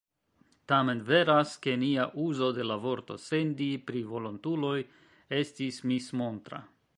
Tamen veras, ke nia uzo de la vorto "sendi" pri volontuloj estis mismontra.